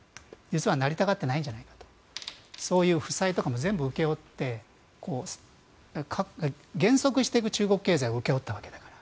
実はなりたがっていないんじゃないかそういう負債とかも全部請け負って減速していく中国経済を請け負ったわけだから。